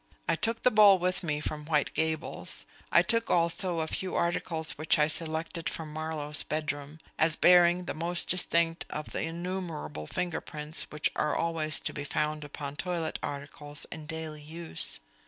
I took the bowl with me from White Gables. I took also a few articles which I selected from Marlowe's bedroom, as bearing the most distinct of the innumerable finger prints which are always to be found upon toilet articles in daily use.